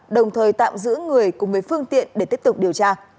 đồng thời tạm giữ người cùng với phương tiện để tiếp tục điều tra